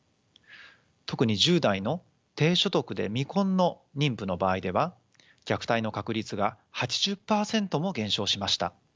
特に１０代の低所得で未婚の妊婦の場合では虐待の確率が８０％も減少しました。